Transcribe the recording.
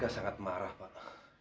warga sangat marah pak